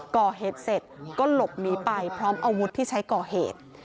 ก่อเหตุเสร็จก็หลบหนีไปพร้อมอาวุธที่ใช้ก่อเหตุ